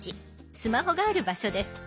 スマホがある場所です。